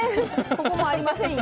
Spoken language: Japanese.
ここもありませんよ。